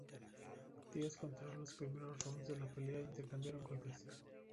Díaz controló los primeros rounds de la pelea e intercambiaron golpes.